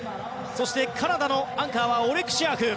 カナダのアンカーはオレクシアク。